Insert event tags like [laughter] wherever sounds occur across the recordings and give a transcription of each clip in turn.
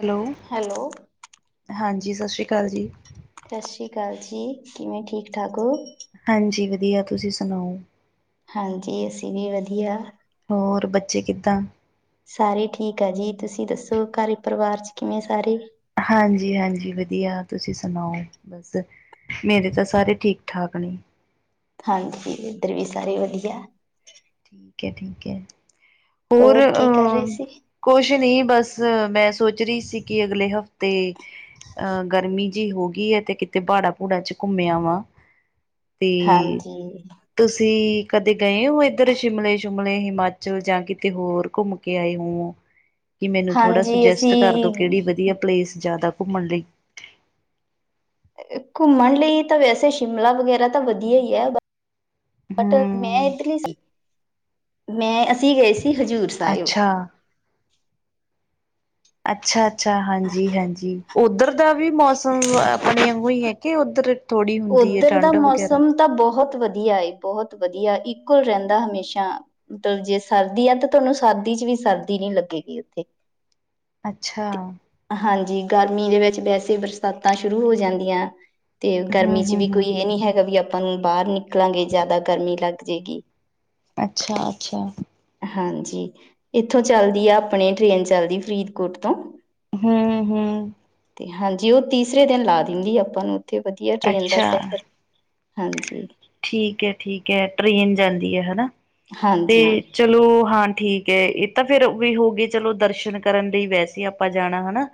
Hello hello ਹਾਂਜੀ ਸਤਿ ਸ਼੍ਰੀ ਅਕਾਲ ਜੀ ਸਤਿ ਸ੍ਰੀ ਅਕਾਲ ਜੀ ਕਿਵੇਂ ਠੀਕ ਠਾਕ ਹੋ ਹਾਂਜੀ ਵਧੀਆ ਤੁਸੀਂ ਸੁਣਾਓ ਹਾਂਜੀ ਅਸੀਂ ਵੀ ਵਧੀਆ ਹੋਰ ਬੱਚੇ ਕਿੱਦਾਂ ਸਾਰੇ ਠੀਕ ਆ ਜੀ ਤੁਸੀਂ ਦੱਸੋ ਘਰੇ ਪਰਿਵਾਰ ਚ ਕਿਵੇਂ ਸਾਰੇ ਹਾਂਜੀ ਹਾਂਜੀ ਵਧੀਆ ਤੁਸੀਂ ਸੁਣਾਓ ਬਸ ਮੇਰੇ ਤਾਂ ਸਾਰੇ ਠੀਕ ਠਾਕ ਨੇ ਹਾਂਜੀ ਇੱਧਰ ਵੀ ਸਾਰੇ ਵਧੀਆ ਠੀਕ ਹੈ ਠੀਕ ਹੈ ਹੋਰ ਕੀ ਕਰ ਰਹੇ ਸੀ ਕੁਛ ਨਹੀਂ ਬਸ ਮੈਂ ਸੋਚ ਰਹੀ ਸੀ ਕਿ ਅਗਲੇ ਹਫ਼ਤੇ ਅਹ ਗਰਮੀ ਜਿਹੀ ਹੋ ਗਈ ਹੈ ਤੇ ਕਿਤੇ ਭਾੜਾ ਭੂੜਾ ਚ ਘੁੰਮਿਆ ਵਾ ਤੇ ਹਾਂਜੀ ਤੁਸੀਂ ਕਦੇ ਗਏ ਹੋਏ ਇੱਧਰ ਸ਼ਿਮਲੇ ਸ਼ਿਮਲੇ ਹਿਮਾਚਲ ਜਾਂ ਕਿਤੇ ਹੋਰ ਘੁੰਮ ਕੇ ਆਏ ਹੋ ਕਿ ਮੈਨੂੰ ਥੋੜਾ ਹਾਂਜੀ ਸੁਜੈਸਟ ਕਰਦੋ ਅਸੀਂ ਕਿਹੜੀ ਵਧੀਆ ਪਲੇਸ ਜ਼ਿਆਦਾ ਘੁੰਮਣ ਲਈ ਘੁੰਮਣ ਲਈ ਤਾਂ ਵੈਸੇ ਸ਼ਿਮਲਾ ਵਗੈਰਾ ਤਾਂ ਵਧੀਆ ਹੀ ਹੈ ਬਟ ਮੈਂ ਹੂੰ ਇੱਧਰਲੀ ਸੀ ਮੈਂ ਅਸੀਂ ਗਏ ਸੀ ਹਜ਼ੂਰ ਸਾਹਿਬ ਅੱਛਾ ਅੱਛਾ ਅੱਛਾ ਹਾਂਜੀ ਹਾਂਜੀ ਉੱਧਰ ਦਾ ਵੀ ਮੌਸਮ ਆਪਣੇ ਅਗੋਂ ਹੀ ਹੈ ਕਿ ਉੱਧਰ ਥੋੜ੍ਹੀ ਹੁੰਦੀ ਹੈਏ ਉੱਧਰ ਦਾ ਠੰਢ ਵਗੈਰਾ ਮੌਸਮ ਤਾਂ ਬਹੁਤ ਵਧੀਆ ਏ ਬਹੁਤ ਵਧੀਆ ਇਕੁਲ ਰਹਿੰਦਾ ਹਮੇਸ਼ਾ ਮਤਲਬ ਜੇ ਸਰਦੀ ਆ ਤਾਂ ਤੁਹਾਨੂੰ ਸਰਦੀ ਚ ਵੀ ਸਰਦੀ ਨੀ ਲੱਗੇਗੀ ਉੱਥੇ ਅੱਛਾ ਹਾਂਜੀ। ਗਰਮੀ ਦੇ ਵਿੱਚ ਵੈਸੇ ਬਰਸਾਤਾਂ ਸ਼ੁਰੂ ਹੋ ਜਾਂਦੀਆਂ। ਤੇ ਗਰਮੀ ਹੂੰ ਚ ਹੂੰ ਵੀ ਕੋਈ ਹੂੰ ਏਹ ਨੀ ਹੈਗਾ ਵੀ ਆਪਾਂ ਨੂੰ ਬਾਹਰ ਨਿਕਲਾਂਗੇ ਜ਼ਿਆਦਾ ਗਰਮੀ ਲੱਗ ਜੇਗੀ। ਅੱਛਾ- ਅੱਛਾ। ਹਾਂਜੀ। ਇੱਥੋਂ ਚੱਲਦੀ ਆ ਆਪਨੇ ਟ੍ਰੇਨ ਚੱਲਦੀ ਫਰੀਦਕੋਟ ਤੋਂ। ਹਮ- ਹਮ। ਤੇ ਹਾਂਜੀ ਉਹ ਤੀਸਰੇ ਦਿਨ ਲਾ ਦਿੰਦੀ ਆਪਾਂ ਨੂੰ ਉੱਥੇ ਵਧੀਆ ਟ੍ਰੇਨ ਦਾ ਅੱਛਾ ਸਫ਼ਰ। ਹਾਂਜੀ। ਠੀਕ ਹੈ- ਠੀਕ ਹੈ ਟਰੇਨ ਜਾਂਦੀ ਹੈ ਹਨਾ ਤੇ ਹਾਂਜੀ ਚਲੋ ਹਾਂ ਠੀਕ ਹੈ ਇਹ ਤਾਂ ਫੇਰ ਔਵੀ ਹੋ ਗਈ ਚਲੋ ਦਰਸ਼ਨ ਕਰਨ ਲਈ ਵੈਸੇ ਆਪਾਂ ਜਾਣਾ ਹਨਾ।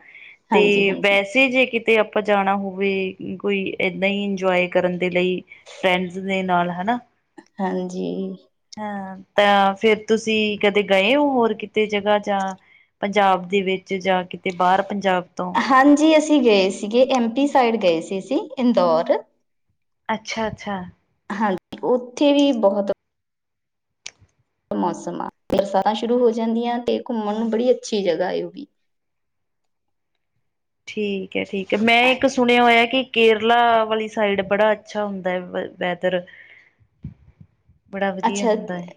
ਹਾਂਜੀ ਤੇ ਹਾਂਜੀ ਵੈਸੇ ਜੇ ਕਿਤ ਤੇ ਆਪਾਂ ਜਾਣਾ ਹੋਵੇ ਕੋਈ ਏਦਾਂ ਈ ਇੰਜਵਾਏ ਕਰਨ ਦੇ ਲਈ ਫਰੈਂਡਸ ਦੇ ਨਾਲ ਹਨਾ। ਹਾਂਜੀ। ਹਾਂ ਤਾਂ ਫਿਰ ਤੁਸੀਂ ਕਦੇ ਗਏ ਔ ਹੋਰ ਕਿਤੇ ਜਗਾ ਜਾਂ ਪੰਜਾਬ ਦੇ ਵਿੱਚ, ਜਾਂ ਕਿਤੇ ਬਾਹਰ ਪੰਜਾਬ ਤੋਂ? ਹਾਂਜੀ। ਅਸੀਂ ਗਏ ਸੀਗੇ ਐਮ ਪੀ ਸਾਈਡ ਗਏ ਸੀ ਜੀ ਇੰਦੌਰ। ਅੱਛਾ -ਅੱਛਾ। ਹਾਂਜੀ। ਉੱਥੇ ਵੀ ਬਹੁਤ ਮੌਸਮ ਆ। ਤੇ ਸਾਤਾਂ ਸ਼ੁਰੂ ਹੋ ਜਾਂਨ ਗੀਆ ਤੇ ਘੁੰਮਣ ਨੂੰ ਬੜੀ ਅੱਛੀ ਜਗ੍ਹਾ ਏ ਉਹ ਵੀ। ਠੀਕ ਹੈ -ਠੀਕ ਹੈ। ਮੈਂ ਇੱਕ ਸੁਣਿਆ ਹੋਇਆ ਕਿ ਕੇਰਲਾ ਵਾਲੀ ਸਾਈਡ ਬੜਾ ਅੱਛਾ ਹੁੰਦਾ ਏ ਵ ਵੈਦਰ। ਬੜਾ ਵਧੀਆ ਅੱਛਾ। ਹੁੰਦਾ ਹੈ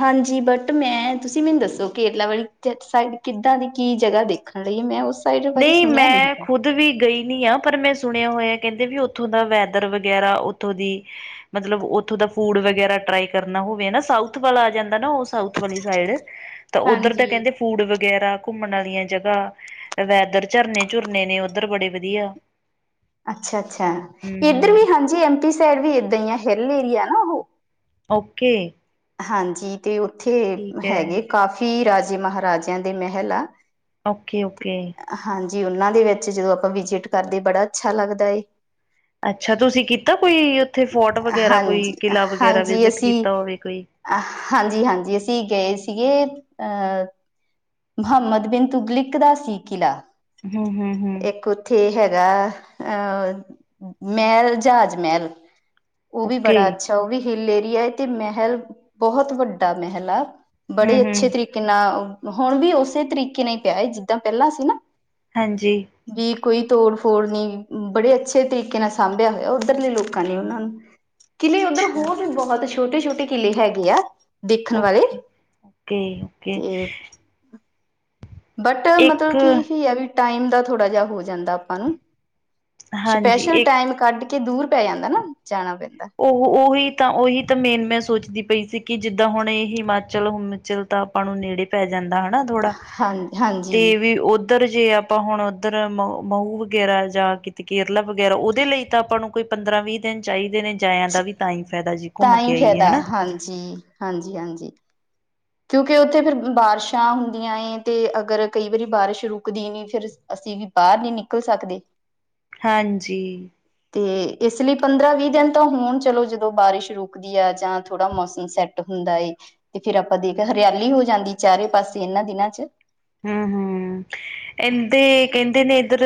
ਹਾਂਜੀ। ਬਟ ਮੈਂ ਤੁਸੀਂ ਮੈਨੂੰ ਦੱਸੋ ਕੇਰਲਾ ਵਾਲੀ ਸਾਈਡ ਕਿੱਦਾਂ ਦੀ ਕੀ ਜਗ੍ਹਾ ਦੇਖ ਨਈਂ ਮੈਂ ਉਸ ਸਾਈਡ ਬਾਰੇ ਸੁਣਿਆ ਨੀ। ਦੀ ਵੀ ਗਈ ਨੀ ਆ ਪਰ ਮੈਂ ਸੁਣਿਆ ਹੋਇਆ ਕਹਿੰਦੇ ਵੇ ਉੱਥੋਂ ਦਾ ਵੈਦਰ ਵਗੈਰਾ ਉੱਥੋਂ ਦੀ ਮਤਲਬ ਉੱਥੋਂ ਦਾ ਫੂਡ ਵਗੈਰਾ ਟਰਾਈ ਕਰਨਾ ਹੋਵੇ ਨਾ ਸਾਊਥ ਵਲ ਆ ਜਾਂਦਾ ਨਾ ਉਹ ਸਾਊਥ ਵਾਲੀ ਸਾਈਡ। [unintelligible] ਤਾਂ ਉੱਧਰ ਦਾ ਕਹਿੰਦੇ ਫੂਡ ਵਗੈਰਾ ਘੁੰਮਣ ਆਲੀਆਂ ਜਗਾ ਵੈਦਰ ਝਰਨੇ- ਝੁਰਨੇ ਨੇ ਉੱਧਰ ਬੜੇ ਵਧੀਆ! ਅੱਛਾ- ਅੱਛਾ ਹੂੰ ਏਧਰ ਹੂੰ ਵੀ ਹਾਂਜੀ ਐਮਪੀ ਸਾਈਡ ਵੀ ਏਦਾਂ ਈ ਐ ਹਿੱਲ ਏਰੀਆ ਏ ਨਾ ਉਹ। ਓਕੇ। ਹਾਂਜੀ। ਤੇ ਉੱਥੇ ਠੀਕ ਹੈ ਹੈਗੇ ਕਾਫੀ ਰਾਜੇ ਮਹਾਰਾਜਆਂ ਦੇ ਮਹਿਲ ਆ। Okay- okay. ਹਾਂਜੀ। ਉਹਨਾਂ ਦੇ ਵਿੱਚ ਜਦੋਂ ਆਪਾਂ ਵਿਜਿਟ ਕਰਦੇ ਬੜਾ ਅੱਛਾ ਲੱਗਦਾ ਏ। ਅੱਛਾ ਤੁਸੀ ਕੀਤਾ ਕੋਈ ਉਥੇ ਫੋਰਟ ਵਗੈਰਾ, ਕੋਈ ਹਾਂਜੀ ਕਿਲਾ ਵਗੈਰਾ ਵਿਜਿਟ ਕੀਤਾ ਹੋਵੇ ਕੋਈ। ਅਹ ਹਾਂਜੀ- ਹਾਂਜੀ ਅਸੀ ਗਏ ਸੀਗੇ ਅਹ ਮੁਹੰਮਦ -ਬਿਨ -ਤੁਗਲਕ ਦਾ ਸੀ ਕਿਲਾ ਹੂੰ ਹੂੰ ਹੂੰ ਇੱਕ। ਥੇ ਹੈਗਾ ਅਹ ਮਹਲ ਜਾਜ ਮਹਲ। ਉਹ ਵੀ ਓਕੇ ਬੜਾ ਅੱਛਾ ਉਹ ਵੀ ਹਿੱਲ ਏਰੀਆ ਏ ਤੇ ਮਹਲ ਬਹੁਤ ਵੱਡਾ ਮਹਲ ਆ। ਹੂੰ ਬੜੇ ਹੂੰ ਅੱਛੇ ਤਰੀਕੇ ਨਾਲ ਹੁਣ ਵੀ ਉਸੇ ਤਰੀਕੇ ਨਾਲ ਵਰਤਦਾ ਈ ਪਿਆ ਏ ਜਿਦਾਂ ਪਹਿਲਾਂ ਸੀ ਨਾ। ਹਾਂਜੀ। ਵੀ ਕੋਈ ਤੋੜ -ਫੋੜ ਨਹੀਂ ਬੜੇ ਅੱਛੇ ਤਰੀਕੇ ਨਾਲ ਸਾਂਭਿਆ ਹੋਇਆ ਉੱਧਰਲੇ ਲੋਕਾਂ ਨੇ ਉਹਨਾਂ ਨੂੰ। ਕਿਲੇ ਉੱਧਰ ਅੱਛਾ ਹੋਰ ਵੀ ਬਹੁਤ ਛੋਟੇ- ਛੋਟੇ ਕਿਲੇ ਹੈਗੇ ਆ। ਦੇਖਣ ਵਾਲੇ ਓਕੇ ਓਕੇ ਓਕੇ ਤੇ ਬਟ ਮਤਲਬ ਇੱਕ ਕੀ ਕੀ ਐ ਵੀ ਟਾਈਮ ਦਾ ਥੋੜਾ ਜਾ ਹੋ ਜਾਂਦਾ ਆਪਾਂ ਨੂੰ। ਹਾਂਜੀ ਸਪੈਸ਼ਲ ਇੱਕ ਟਾਈਮ ਕੱਢ ਕੇ ਦੂਰ ਪੈ ਜਾਂਦਾ ਨਾ, ਜਾਣਾ ਪੈਂਦਾ। ਉਹ ਉਹੀ ਤਾਂ, ਉਹੀ ਤਾਂ ਮੇਨ ਮੈਂ ਸੋਚਦੀ ਪਈ ਸੀ ਕਿ ਜਿੱਦਾ ਹੁਣ ਇਹ ਹਿਮਾਚਲ ਹਮੁਚਲ ਤਾਂ ਆਪਾਂ ਨੂੰ ਨੇੜੇ ਪੈ ਜਾਂਦਾ ਹੈਨਾ ਥੋੜਾ ਹਾਂ ਹਾਂਜੀ ਤੇ ਵੀਰ ਉਹ ਉਧਰ ਜੇ ਆਪਾਂ ਹੁਣ ਉਧਰ ਮਊ- ਮਉ ਵਗੈਰਾ ਜਾਂ ਕਿਤ ਕੇਰਲਾ ਵਗੈਰਾ ਉਹਦੇ ਲਈ ਤਾਂ ਆਪਾਂ ਨੂੰ ਕੋਈ ਪੰਦਰਾਂ ਵੀਹ ਦਿਨ ਚਾਈਦੇ ਨੇ ਜਾਇਆ ਦਾ ਵੀ ਤਾਂ ਈ ਫੈਦਾ ਜੀ। ਤਾਂ ਘੁੰਮ ਕੇ ਈ ਆਈਏ ਫੈਦਾ ਹਨਾ ਹਾਂਜੀ, ਹਾਂਜੀ-ਹਾਂਜੀ। ਕਿਉਂਕਿ ਉੱਥੇ ਫਿਰ ਬਾਰਿਸ਼ਾਂ ਹੁੰਦੀਆਂ ਏ ਤੇ ਅਗਰ ਕਈ ਵਾਰੀ ਬਾਰਿਸ਼ ਰੁਕਦੀ ਨਈ ਫਿਰ ਅਸੀਂ ਵੀ ਬਾਰ ਨੀ ਨਿਕਲ ਸਕਦੇ। ਹਾਂਜੀ। ਤੇ ਇਸ ਲਈ ਪੰਦਰਾਂ ਵੀਹ ਦਿਨ ਤਾਂ ਹੋਣ ਚਲੋ ਜਦੋਂ ਬਾਰਿਸ਼ ਰੁਕ ਜਾਂ ਥੋੜਾ ਮੌਸਮ ਸੈੱਟ ਹੁੰਦਾ ਏ ਤੇ ਫਿਰ ਦੇਖ ਹਰਿਆਲੀ ਹੋ ਜਾਂਦੀ ਚਾਰੇ ਪਾਸੇ ਇਹਨਾਂ ਦਿਨਾਂ ਚ। ਹੂੰ-ਹੂੰ। ਇਂਦੇ ਕਹਿੰਦੇ ਨੇ ਇੱਧਰ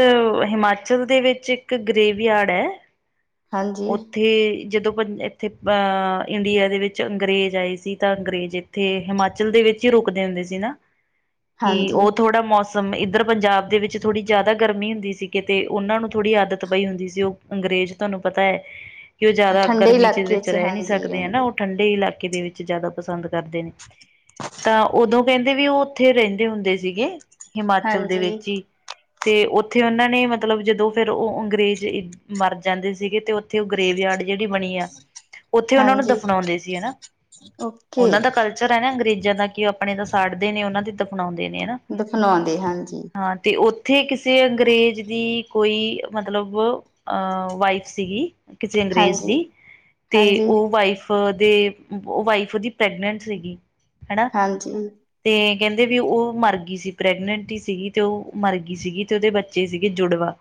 ਹਿਮਾਚਲ ਦੇ ਵਿੱਚ ਇੱਕ ਗਰੇਵ ਯਾਰਡ ਐ। ਹਾਂਜੀ। ਇੱਥੇ ਜਦੋਂ ਪੰ ਇੱਥੇ ਅ ਇੰਡੀਆ ਦੇ ਵਿੱਚ ਅੰਗਰੇਜ਼ ਆਏ ਸੀ ਤਾਂ ਅੰਗਰੇਜ਼ ਤੇ ਹਿਮਾਚਲ ਦੇ ਵਿੱਚ ਈ ਰੁਕਦੇ ਹੁੰਦੇ ਸੀ ਨਾ। [inaudible] ਕਿ ਉਹ ਥੋੜਾ ਮੌਸ ਸਮ ਇੱਧਰ ਪੰਜਾਬ ਦੇ ਵਿੱਚ ਥੋੜੀ ਜੈਦਾ ਗਰਮੀ ਹੁੰਦੀ ਸੀ ਕਿਤੇ ਉਹਨਾਂ ਨੂੰ ਥੋੜੀ ਆਦਤ ਪਈ ਹੁੰਦੀ ਸੀ ਉਹ ਅੰਗਰੇਜ਼ ਤੁਆਨੂੰ ਪਤਾ ਐ ਕਿ ਉਹ ਜੈਦਾ ਠੰਡੇ ਗਰਮੀ ਚ ਇਲਾਕੇ ਵਿੱਚ ਰੈ ਨੀ ਹਾਂਜੀ ਸਕਦੇ ਹੈਨਾ ਰਹਿੰਦੇ ਉਹ ਠੰਡੇ ਇਲਾ ਕੇ ਦੇ ਵਿੱਚ ਜੈਦਾ ਪਸੰਦ ਕਰਦੇ ਨੇ। ਤਾਂ ਉਦੋਂ ਕਹਿੰਦੇ ਵੀ ਉਹ ਉੱਥੇ ਰਹਿੰਦੇ ਹੁੰਦੇ ਸੀਗੇ ਹਿਮਾਚਲ ਦੇ ਹਾਂਜੀ ਵਿੱਚ ਈ ਤੇ ਉੱਥੇ ਉਹਨਾਂ ਨੇ ਮਤਲਬ ਜਦੋਂ ਫਿਰ ਉਹ ਅੰਗਰੇਜ਼ ਈ ਮਰ ਜਾਂਦੇ ਸੀਗੇ ਤੇ ਉਥੇ ਉਹ ਗਰੇਵ ਯਾਡ ਜੇੜੀ ਬਣੀ ਆ ਉੱਥੇ ਉਹਨਾਂ ਨੂੰ ਹਾਂਜੀ ਦਫ਼ਨਾਉਂਦੇ ਸੀ ਐਨਾ। ਓਕੇ। ਅਕਸਰ ਹੈਨਾ ਅੰਗਰੇਜ਼ਾਂ ਦਾ ਕਿ ਉਹ ਆਪਣੇ ਤਾਂ ਸਾੜਦੇ ਨੇ ਉਹਨਾਂ ਦੀ ਬਣਾਉਂਦੇ ਨੇ ਐਨਾ, ਦਫਨਾਉਂਦੇ ਹਾਂਜੀ ਹਾਂ ਤੇ ਉਹ ਉੱਥੇ ਕਿਸੇ ਅੰਗਰੇਜ਼ ਦੀ ਕੋਈ ਮਤਲਬ ਅਹ ਵਾਈਫ ਸੀਗੀ ਕਿਸੇ ਅੰਗਰੇਜ਼ ਹਾਂਜੀ ਦੀ ਤੇ ਹਾਂਜੀ ਉਹ ਵਾਈਫ ਫ ਦੇ ਵਾਈਫ ਉਹਦੀ ਪ੍ਰੈਗਨੈਂਟ ਸੀਗੀ ਹੈਨਾ ਹਾਂਜੀ ਤੇ ਕੈਂਦੇ ਵੀ ਉਹ ਮਰਗੀ ਸੀ ਪ੍ਰੈਗਨੈਂਟ ਈ ਸੀਗੀ, ਤੇ ਉਹ ਮਰਗੀ ਸੀਗੀ ਤੇ ਉਹਦੇ ਬੱਚੇ ਸੀਗੇ ਜੁੜਵਾ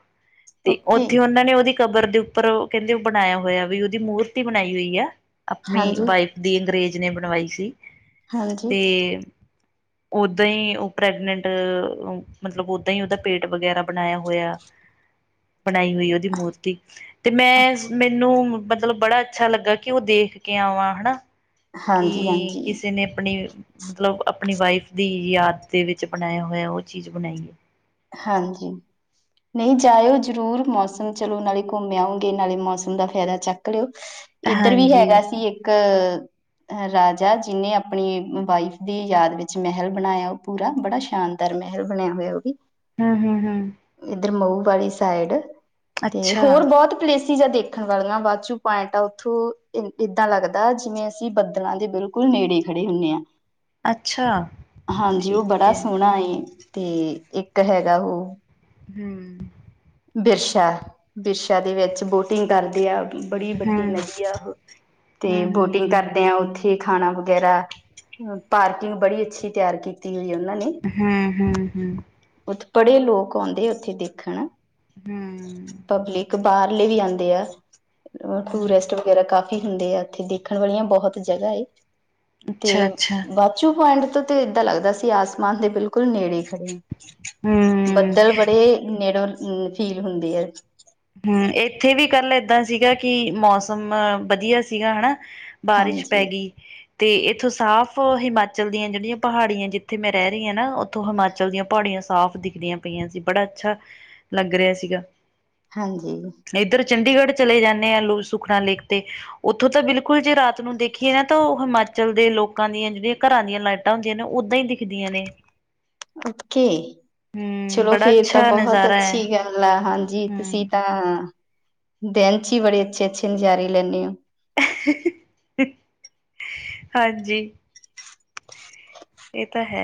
ਤੇ ਓਕੇ ਉੱਥੇ ਉਨਾਂ ਨੇ ਉਦੀ ਕਬਰ ਦੇ ਉੱਪਰ ਓ ਕਹਿੰਦੇ ਓ ਬਣਾਇਆ ਹੋਇਆ ਵੀ ਉਦੀ ਮੂਰਤੀ ਬਣਾਈ ਹੋਈ ਆ ਅਪਣੀ ਹਾਂਜੀ ਵਾਈਫ ਦੀ ਅੰਗਰੇਜ਼ ਨੇ ਬਣਵਾਈ ਸੀ ਹਾਂਜੀ ਤੇ ਓੱਦਾਂ ਈ ਓ ਪ੍ਰੈਗਨੈਂਟ ਮਤਲਬ ਓੱਦਾਂ ਈ ਓਦਾ ਪੇਟ ਵਗੈਰਾ ਬਣਾਇਆ ਹੋਇਆ। [inaudible] ਬਣਾਈ ਹੋਈ ਉਦੀ ਮੂਰਤੀ। ਤੇ ਮੈਂ ਅੱਛਾ ਮੈਨੂੰ ਮਤਲਬ ਬੜਾ ਅੱਛਾ ਲੱਗਾ ਕਿ ਉਹ ਦੇਖ ਕੇ ਆਵਾਂ ਹੈਨਾ ਕਿ ਹਾਂਜੀ ਹਾਂਜੀ ਕਿਸੇ ਨੇ ਅਪਣੀ ਮਤਲਬ ਅਪਣੀ ਵਾਈਫ ਦੀ ਯਾਦ ਦੇ ਵਿੱਚ ਬਣਾਇਆ ਹੋਇਆ ਉਹ ਚੀਜ਼ ਬਣਾਈ ਏ। ਹਾਂਜੀ। ਨਈ ਜਾਇਓ ਜ਼ਰੂਰ ਮੌਸਮ ਚਲੋ ਨਾਲੇ ਘੁੰਮ ਆਉਂਗੇ ਨਾਲੇ ਮੌਸਮ ਦਾ ਫੈਦਾ ਚੱਕ ਲਿਓ। ਇੱਧਰ ਵੀ ਹਾਂਜੀ ਹੈਗਾ ਸੀ ਇੱਕ ਰਾਜਾ ਜਿੱਨੇ ਅਪਣੀ ਵਾਈਫ ਦੀ ਯਾਦ ਵਿੱਚ ਮਹਿਲ ਬਣਾਇਆ। ਪੂਰਾ ਬੜਾ ਸ਼ਾਨਦਾਰ ਮਹਿਲ ਬਣਿਆ ਹੋਇਆ ਉਹ ਵੀ। ਹਮ ਹਮ ਹਮ ਇੱਧਰ ਮਊ ਵਾਲੀ ਸਾਈਡ ਤੇ ਅੱਛਾ ਹੋਰ ਬਹੁਤ ਪਲੇਸ ਚੀਜ਼ਾਂ ਦੇਖਣ ਵਾਲੀਆਂ ਬਾਅਦਚੂ ਪੁਆਇੰਟ ਆ ਉੱਥੋਂ ਏਦਾਂ ਲੱਗਦਾ ਜਿਵੇਂ ਅਸੀਂ ਬੱਦਲਾਂ ਦੇ ਬਿਲੁ ਬਿਲਕੁਲ ਨੇੜੇ ਖੜੇ ਹੁੰਦੇ ਆ ਅੱਛਾ ਹਾਂਜੀ ਉਹ ਠੀਕ ਬੜਾ ਹੈ ਸੋਹਣਾ ਏ ਅਤੇ ਇੱਕ ਹੈਗਾ ਉਹ ਹਮ ਬਿਰਸਾ, ਬਿਰਸਾ ਦੇ ਵਿੱਚ ਬੋਟਿੰਗ ਕਰਦੇ ਆ। ਬੜੀ ਵੱਡੀ ਹਮ ਨਦੀ ਆ ਉਹ, ਤੇ ਹਮ ਬੋਟਿੰਗ ਹਮ ਕਰਦੇ ਆ ਉੱਥੇ ਖਾਣਾ ਵਗੈਰਾ ਪਾਰਕਿੰਗ ਬੜੀ ਅੱਛੀ ਤਿਆਰ ਕੀਤੀ ਹੋਈ ਉਨਾਂ ਨੇ। ਹੂੰ ਹੂੰ ਹੂੰ। ਉੱਥੇ ਬੜੇ ਲੋਕ ਆਉਂਦੇ ਆ ਉੱਥੇ ਦੇਖਣ। ਹਮ ਪਬਲਿਕ ਬਾਹਰਲੇ ਵੀ ਆਉਂਦੇ ਆ ਹਮ ਟੂਰਿਸਟ ਵਗੈਰਾ ਕਾਫ਼ੀ। ਕਾਫੀ ਹੁੰਦੇ ਆ ਉੱਥੇ ਦੇਖਣ ਵਾਲੀਆਂ ਬਹੁਤ ਜਗ੍ਹਾ ਏ ਤੇ ਅੱਛਾ ਅੱਛਾ ਬਾਕੀ। ਪੁਆਇੰਟ ਤੋਂ ਤੇ ਏਦਾਂ ਲੱਗਦਾ ਸੀ ਆਸਮਾਨ ਦੇ ਬਿਲਕੁਲ ਨੇੜੇ ਖੜ੍ਹੇ ਹਾਂ। ਹੂੰ, ਬੱਦਲ ਬੜੇ ਨੇੜੋਂ ਫੀਲ ਹੁੰਦੇ ਹੈ। ਹੂੰ ਇੱਥੇ ਵੀ ਕੱਲ ਏਦਾਂ ਸੀਗਾ ਕਿ ਮੌਸਮ ਵਧੀਆ ਸੀਗਾ ਹਨਾ। ਬਾਰਿਸ਼ ਪੈ ਹਾਂਜੀ ਗਈ। ਤੇ ਇੱਥੋਂ ਸਾਫ਼ ਹਿਮਾਚਲ ਦੀਆਂ ਜਿਹੜੀਆਂ ਪਹਾੜੀਆਂ ਜਿੱਥੇ ਮੈਂ ਰਹਿ ਰਹੀ ਹਾਂ ਨਾ ਉੱਥੋਂ ਹਿਮਾਚਲ ਦੀਆਂ ਪਹਾੜੀਆਂ ਸਾਫ਼। ਦਿਖਦੀਆਂ ਪਈਆਂ ਸੀ ਬੜਾ ਅੱਛਾ ਲੱਗ ਰਿਹਾ ਸੀਗਾ। ਹਾਂਜੀ। ਇੱਧਰ ਚੰਡੀਗੜ੍ਹ ਚਲੇ ਜਾਂਦੇ ਆਂ ਲੋ ਸੁਖਨਾ ਲੇਖ 'ਤੇ। ਉੱਥੋਂ ਤਾਂ ਬਿਲਕੁਲ ਜੇ ਰਾਤ ਨੂੰ ਦੇਖੀਏ ਨਾ ਤਾਂ ਉਹ ਹਿਮਾਚਲ ਦੇ ਲੋਕਾਂ ਦੀਆਂ ਜਿਹੜੀਆਂ ਘਰਾਂ ਦੀਆਂ ਲਾਈਟਾਂ। ਲਾਈਟਾਂ ਹੁੰਦੀਆਂ ਨੇ ਉਦਾਂ ਹੀ ਦਿਖਦੀਆਂ ਨੇ। ਓਕੇ ਹੂੰ, ਚਲੋ ਬੜਾ ਫੇਰ ਤਾਂ ਅੱਛਾ ਬਹੁਤ ਨਜ਼ਾਰਾ ਹੈ ਅੱਛੀ। ਹਾਂਜੀ ਤੁਸੀਂ ਹੂੰ, ਤਾਂ ਦਿਨ 'ਚ ਹੀ ਬੜੇ ਅੱਛੇ ਅੱਛੇ ਨਜ਼ਾਰੇ ਲੈਂਦੇ ਹੋ। [unintelligible] ਹਾਂਜੀ। ਇਹ ਤਾਂ ਹੈ।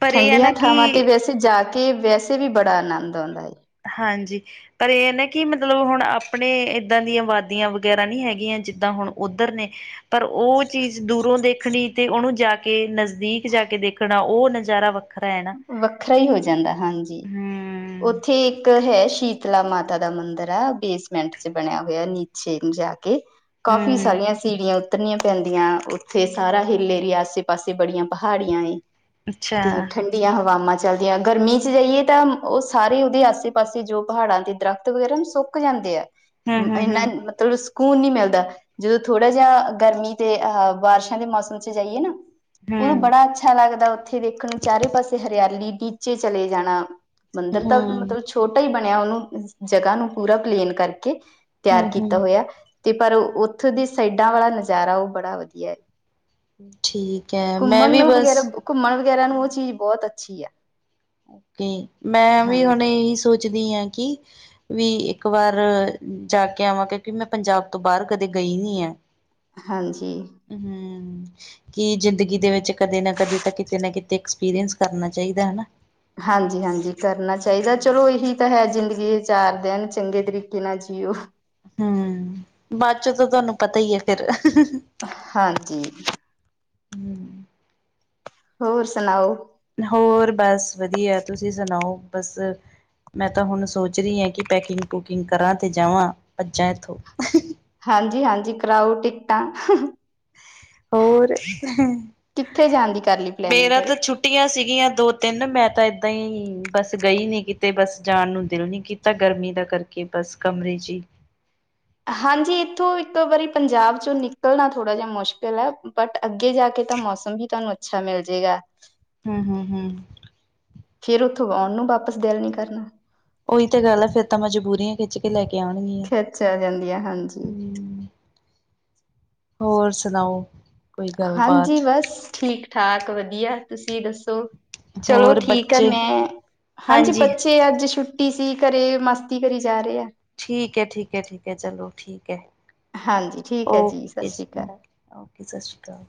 ਪਰ ਇਹ ਹੈ ਨਾ ਠੰਡੀਆਂ ਕਿ ਥਾਵਾਂ ਤੇ ਵੈਸੇ ਜਾ ਕੇ ਵੈਸੇ ਵੀ ਬੜਾ ਆਨੰਦ ਆਉਂਦਾ ਹੈ। ਹਾਂਜੀ। ਪਰ ਇਹ ਨਾ ਕਿ ਮਤਲਬ ਹੁਣ ਆਪਣੇ ਇੱਦਾਂ ਦੀਆਂ ਵਾਦੀਆਂ ਵਗੈਰਾ ਨਹੀਂ ਹੈਗੀਆਂ ਜਿੱਦਾਂ ਹੁਣ ਉੱਧਰ ਨੇ। ਪਰ ਉਹ ਚੀਜ਼ ਦੂਰੋਂ ਦੇਖਣੀ ਤੇ ਉਹਨੂੰ ਜਾ ਕੇ ਨਜ਼ਦੀਕ ਜਾ ਕੇ ਦੇਖਣ। ਤਾਂ ਉਹ ਨਜ਼ਾਰਾ ਵੱਖਰਾ ਹੈ। ਨਾ ਵੱਖਰਾ ਹੀ ਹੋ ਜਾਂਦਾ ਹੈ ਹਾਂਜੀ। ਹਮ ਉੱਥੇ ਇੱਕ ਹੈ। ਸ਼ੀਤਲਾ ਮਾਤਾ ਦਾ ਮੰਦਿਰ ਆ ਬੇਸਮੈਂਟ 'ਚ ਬਣਿਆ ਹੋਇਆ ਨੀਚੇ ਜਾ ਕੇ। ਕੇ ਕਾਫੀ ਹਮ ਹਮ ਸਾਰੀਆਂ ਸੀੜੀਆਂ। ਉੱਤਰਨੀਆ ਪੈਂਦੀਆਂ ਉੱਥੇ ਸਾਰਾ ਹਿੱਲ ਏਰੀਏ ਆਸੇ ਪਾਸੇ ਬੜੀਆਂ ਪਹਾੜੀਆਂ ਏ। ਤੇ ਅੱਛਾ‌ ਠੰਡੀਆਂ ਹਵਾਵਾਂ ਚੱਲਦੀਆਂ ਗਰਮੀ 'ਚ ਜਾਈਏ ਤਾਂ ਉਹ ਸਾਰੇ ਉਹਦੇ ਆਸੇ ਪਾਸੇ ਜੋ ਪਹਾੜਾਂ ਦੇ ਦਰਖਤ। ਵਗੈਰਾ ਸੁੱਕ ਜਾਂਦੇ ਆ ਹਮ ਹਮ ਹਮ ਇੰਨਾ ਮਤਲਬ ਸਕੂਨ ਨੀ ਮਿਲਦਾ। ਜਦੋਂ ਥੋੜਾ ਜਿਹਾ ਗਰਮੀ ਤੇ ਅਹ ਬਾਰਿਸ਼ਾਂ ਦੇ ਮੌਸਮ 'ਚ ਜਾਈਏ ਨਾ। ਉਹਦੋਂ ਹਮ ਬੜਾ ਅੱਛਾ ਲੱਗਦਾ ਉੱਥੇ ਦੇਖਣ ਨੂੰ ਚਾਰੇ ਪਾਸੇ ਹਰਿਆਲੀ ਨੀਚੇ ਚਲੇ ਜਾਣਾ। ਮੰਦਿਰ ਤਾਂ ਹਮ ਮਤਲਬ ਛੋਟਾ ਹੀ ਬਣਿਆ ਉਹਨੂੰ ਜਗ੍ਹਾ ਨੂੰ ਪੂਰਾ ਪਲੇਨ ਕਰਕੇ। ਤਿਆਰ ਹਮ ਕੀਤਾ ਹਮ ਹੋਇਆ ਤੇ ਪਰ ਉੱਥੋਂ ਦੀ ਸਾਈਡਾਂ ਵਾਲਾ ਨਜ਼ਾਰਾ ਉਹ ਬੜਾ ਵਧੀਆ ਹੈ। ਠੀਕ ਹੈ ਮੈਂ ਘੁੰਮਣ ਵੀ ਨੂੰ ਬਸ। ਵਗੈਰਾ ਘੁੰਮਣ ਵਗੈਰਾ ਨੂੰ ਉਹ ਹੂੰ ਚੀਜ਼ ਬਹੁਤ ਅੱਛੀ ਹੈ। ਓਕੇ ਮੈਂ ਵੀ ਹੁਣ ਇਹੀ ਸੋਚਦੀ ਹਾਂ ਕਿ। ਵੀ ਇੱਕ ਵਾਰ ਜਾ ਕੇ ਆਵਾਂ ਕਿਉਂਕਿ ਮੈਂ ਪੰਜਾਬ ਤੋਂ ਬਾਹਰ ਕਦੇ ਗਈ ਨੀ ਹੈ। ਹਾਂਜੀ। ਹੂੰ। ਕਿ ਜ਼ਿੰਦਗੀ ਦੇ ਵਿੱਚ ਕਦੇ ਨਾ ਕਦੇ ਤਾਂ ਕਿਤੇ ਨਾ ਕਿਤੇ ਐਕਸਪੀਰੀਐਂਸ ਕਰਨਾ ਚਾਹੀਦਾ ਹਨਾ। ਹਾਂਜੀ ਹਾਂਜੀ ਕਰਨਾ ਚਾਹੀਦਾ ਚਲੋ ਇਹੀ ਤਾਂ ਹੈ ਜ਼ਿੰਦਗੀ। ਚਾਰ ਦਿਨ ਚੰਗੇ ਤਰੀਕੇ ਨਾਲ ਜੀਓ। ਹੂੰ ਬਾਅਦ ਚੋਂ ਤਾਂ ਤੁਹਾਨੂੰ ਪਤਾ ਹੀ ਹੈ ਫਿਰ। ਹਾਂਜੀ। ਹੋਰ ਸੁਣਾਓ। ਹੋਰ ਬਸ ਵਧੀਆ ਤੁਸੀਂ ਸੁਣਾਓ ਬਸ। ਮੈਂ ਤਾਂ ਹੁਣ ਸੋਚ ਰਹੀ ਹਾਂ ਕਿ ਪੈਕਿੰਗ ਪੂਕਿੰਗ ਕਰਾਂ ਤੇ ਜਾਵਾਂ ਭੱਜਾਂ ਇੱਥੋਂ। ਹਾਂਜੀ ਹਾਂਜੀ ਕਰਾਓ ਟਿਕਟਾਂ। ਹੋਰ ਕਿੱਥੇ ਜਾਣ ਦੀ ਕਰ ਲਈ ਪਲੈਨਿੰਗ ਮੇਰਾ ਫਿਰ ਤਾਂ ਛੁੱਟੀਆਂ ਸੀਗੀਆਂ ਦੋ-ਤਿੰਨ ਮੈਂ ਤਾਂ ਏਦਾਂ ਹੀ ਬੱਸ ਗਈ ਨੀ ਕੀਤੇ ਬੱਸ ਜਾਣ ਨੂੰ ਦਿਲ ਨੀ ਕੀ ਤਾਂ ਗਰਮੀ ਦਾ ਕਰਕੇ ਬਸ ਕਮਰੇ 'ਚ ਹੀ ਹਾਂਜੀ ਇੱਥੋਂ ਇੱਕ ਵਾਰੀ ਪੰਜਾਬ ਚੋਂ ਨਿਕਲਣਾ ਥੋੜਾ ਜਿਹਾ ਮੁਸ਼ਕਿਲ ਹੈ ਬਟ ਅੱਗੇ ਜਾ ਕੇ ਤਾਂ ਮੌਸਮ ਹੀ ਤੁਹਾਨੂੰ ਅੱਛਾ ਮਿਲ ਜਾੇਗਾ। ਹਮ ਹਮ ਹਮ ਫੇਿਰ ਉੱਥੋਂ ਆਉਣ ਨੂੰ ਵਾਪਸ ਦਿਲ ਨ ਕਰਨਾ ਉਹੀ ਤਾਂ ਗੱਲ ਆ ਫੇਿਰ ਤਾਂ ਮਜਬੂਰੀਆਂ ਖਿੱਚ ਕੇ ਲੈ ਕੇ ਆਉਣਗੀਆਂ ਖਿੱਚਿਆ, ਜਾਂਦੀਆਂ ਹਾਂਜੀ। ਹੋਰ, ਸੁਣਾਓ? ਕੋਈ ਹਾਂਜੀ ਗੱਲਬਾਤ ਬਸ ਠੀਕ ਠਾਕ ਵਧੀਆ, ਤੁਸੀਂ ਦੱਸੋ? ਚਲੋ ਹੋਰ ਠੀਕ ਆ ਬੱਚੇ ਮੈਂ, ਹਾਂਜੀ, ਬੱਚੇ ਅੱਜ ਛੁੱ ਟੀ ਸੀ ਘਰੇ ਮਸਤੀ ਕਰੀ ਜਾ ਰਹੇ ਆ। ਠੀਕ ਹੈ, ਠੀਕ ਹੈ, ਠੀਕ ਹੈ, ਚਲੋ ਠੀਕ ਹੈ। ਹਾਂਜੀ, ਠੀਕ ਹੈ ਜੀ। ਸਤਿ ਓਕੇ ਸ਼੍ਰੀ ਅਕਾਲ। ਓਕੇ ਓਕੇ, ਸਤਿ ਸ੍ਰੀ ਅਕਾਲ।